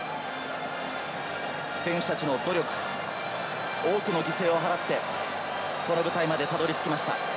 選手たちの努力、多くの犠牲を払ってこの舞台までたどり着きました。